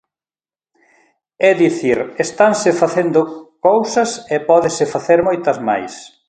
É dicir, estanse facendo cousas e pódense facer moitas máis.